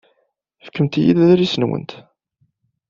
Fkemt-iyi-d adlis-nwent.